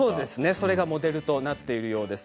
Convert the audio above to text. それがモデルになっているそうです。